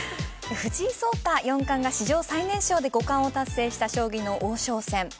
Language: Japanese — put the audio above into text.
藤井聡太四冠が史上最年少で五冠を達成した将棋の王将戦。